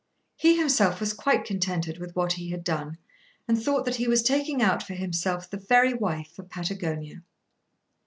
He himself was quite contented with what he had done and thought that he was taking out for himself the very wife for Patagonia.